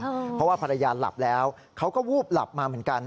เพราะว่าภรรยาหลับแล้วเขาก็วูบหลับมาเหมือนกัน